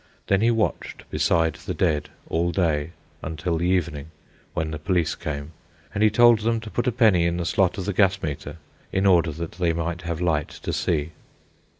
Then he watched beside the dead all day until the evening, when the police came, and he told them to put a penny in the slot of the gas meter in order that they might have light to see.